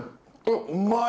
うまい！